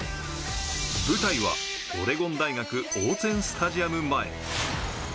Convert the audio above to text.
舞台はオレゴン大学オーツェン・スタジアム前。